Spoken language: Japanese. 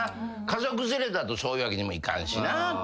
家族連れだとそういうわけにもいかんしな。